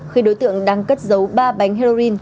khi đối tượng đang cất dấu ba bánh heroin